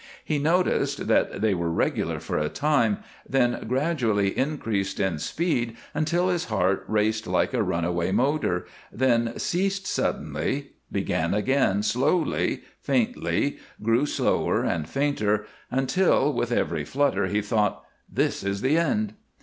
He noticed that they were regular for a time, then gradually increased in speed until his heart raced like a runaway motor, then ceased suddenly, began again slowly, faintly, grew slower and fainter, until with every flutter he thought, "This is the end!"